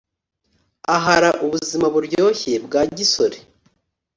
ahara ubuzima buryoshye bwa gisore